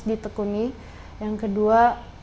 ditekuni yang kedua